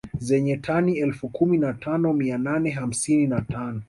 Zenye tani elfu kumi na tano mia nne hamsini na tano